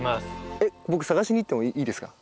えっ僕探しに行ってもいいですか？